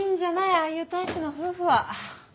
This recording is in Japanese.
ああいうタイプの夫婦は。